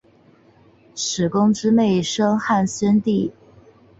史恭之妹生汉宣帝。